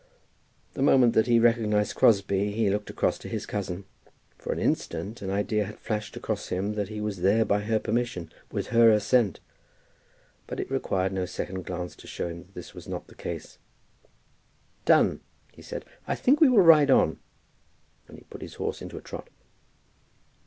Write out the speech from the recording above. The moment that he recognized Crosbie he looked across to his cousin. For an instant, an idea had flashed across him that he was there by her permission, with her assent; but it required no second glance to show him that this was not the case. "Dunn," he said, "I think we will ride on," and he put his horse into a trot.